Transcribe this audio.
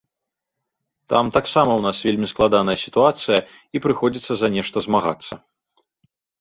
Там таксама ў нас вельмі складаная сітуацыя, і прыходзіцца за нешта змагацца.